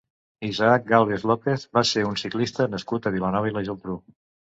Isaac Gàlvez López va ser un ciclista nascut a Vilanova i la Geltrú.